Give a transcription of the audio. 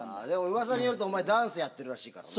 うわさによるとお前ダンスやってるらしいからな。